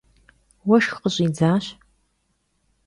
Vueşşx khış'idzaş.